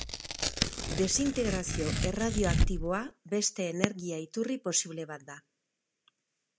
Desintegrazio erradioaktiboa beste energia iturri posible bat da.